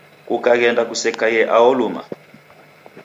Kukaghenda kusekaie aho luma